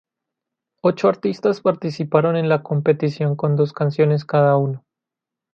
Ocho artistas participaron en la competición con dos canciones cada uno.